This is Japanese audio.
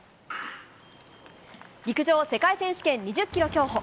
陸上世界選手権２０キロ競歩。